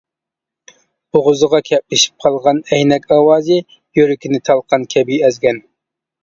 بوغۇزىغا كەپلىشىپ قالغان ئەينەك ئاۋازى يۈرىكىنى تالقان كەبى ئەزگەن.